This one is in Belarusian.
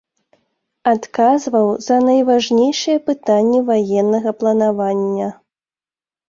Адказваў за найважнейшыя пытанні ваеннага планавання.